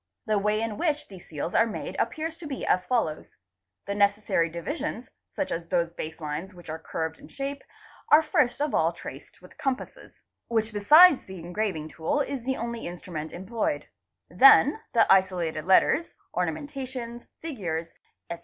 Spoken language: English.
The way in which — these seals are made appears to be as follows:—the necessary divisions, — such as those base lines which are curved in shape, are first of all traced with the compasses, which besides the engraving tool is the only instru ment employed; then the isolated letters, ornamentations, figures, etc.